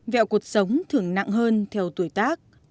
vẹo cuộc sống thường nặng hơn theo tuổi tác